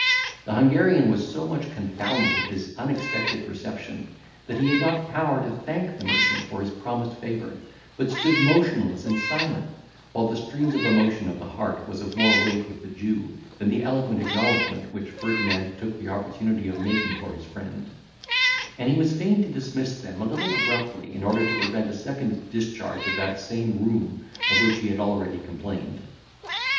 The Hungarian was so much confounded at this unexpected reception, that he had not power to thank the merchant for his promised favour, but stood motionless and silent, while the streams of emotion of the heart was of more weight with the Jew, than the eloquent acknowledgment which Ferdinand took the opportunity of making for his friend; and he was fain to dismiss them a little abruptly, in order to prevent a second discharge of that same rheum of which he had already complained.